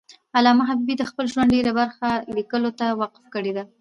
علامه حبیبي د خپل ژوند ډېره برخه لیکلو ته وقف کړی ده.